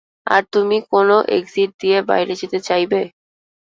আর তুমি কোন এক্সিট দিয়ে বাইরে যেতে চাইবে?